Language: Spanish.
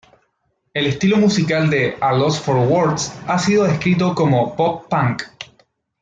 El estilo musical de A Loss for Words ha sido descrito como pop punk.